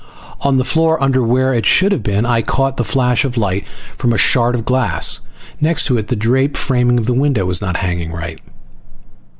On the floor under where it should have been I caught the flash of light from a shard of glass. Next to it, the drape framing the window was not hanging right.